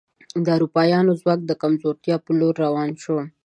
د اروپایانو ځواک د کمزورتیا په لور روان شو.